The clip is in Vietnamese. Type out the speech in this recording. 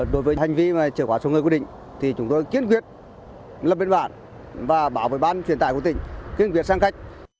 đối với hành vi trở quá số người quy định chúng tôi kiên quyết lập biên bản và bảo vệ ban truyền tài của tỉnh kiên quyết xác khách